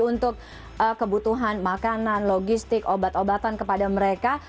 untuk kebutuhan makanan logistik obat obatan kepada mereka